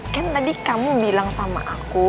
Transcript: kan tadi kamu bilang sama aku